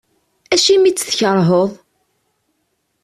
Acimi i tt-tkerheḍ?